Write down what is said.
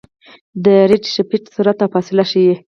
د ریډشفټ سرعت او فاصله ښيي.